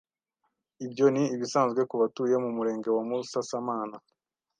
Ibyo ni ibisanzwe kubatuye mu murenge wa musasamana.